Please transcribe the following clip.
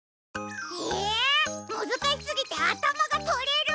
えむずかしすぎてあたまがとれる！